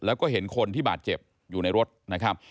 แล้วก็เห็นคนที่บาดเจ็บอยู่ในรถนะครับ